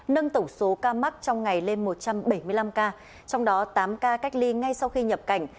nâng tổng số ca mắc trong ngày lên một trăm bảy mươi năm ca trong đó tám ca cách ly ngay sau khi nhập cảnh